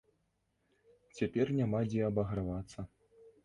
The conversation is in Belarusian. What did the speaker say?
Цяпер няма дзе абагравацца.